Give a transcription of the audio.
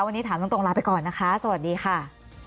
วันนี้ถามตรงลาไปก่อนนะคะสวัสดีค่ะ